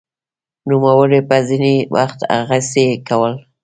نوموړي به ځیني وخت هغسې کول